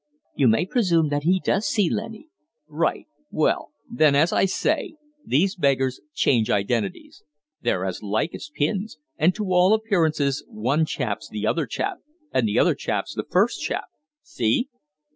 "You may presume that he does see, Lennie." "Right! Well, then, as I say, these beggars change identities. They're as like as pins; and to all appearances one chap's the other chap and the other chap's the first chap. See?"